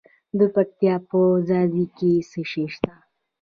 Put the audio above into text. د پکتیا په ځاځي کې څه شی شته؟